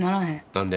何で？